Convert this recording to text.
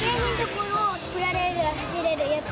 プラレールが走れるやつ。